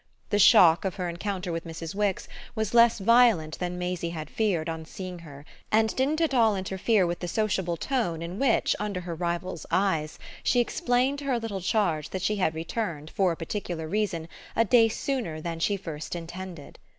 The shock of her encounter with Mrs. Wix was less violent than Maisie had feared on seeing her and didn't at all interfere with the sociable tone in which, under her rival's eyes, she explained to her little charge that she had returned, for a particular reason, a day sooner than she first intended.